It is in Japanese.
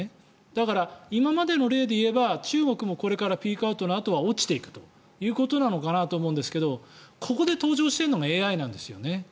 だから、今までの例でいえば中国もこれからピークアウトのあとは落ちていくということなのかなと思うんですがここで登場しているのがＡＩなんですよね。